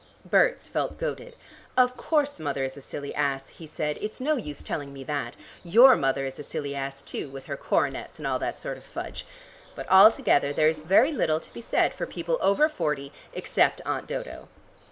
Berts felt goaded. "Of course mother is a silly ass," he said. "It's no use telling me that. Your mother is a silly ass, too, with her coronets and all that sort of fudge. But altogether there is very little to be said for people over forty, except Aunt Dodo."